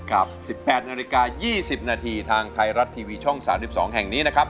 ๑๘นาฬิกา๒๐นาทีทางไทยรัฐทีวีช่อง๓๒แห่งนี้นะครับ